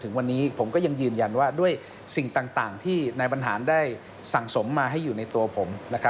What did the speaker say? ถึงวันนี้ผมก็ยังยืนยันว่าด้วยสิ่งต่างที่นายบรรหารได้สั่งสมมาให้อยู่ในตัวผม